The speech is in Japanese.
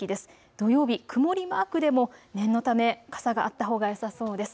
土曜日、曇りマークでも念のため傘があったほうがよさそうです。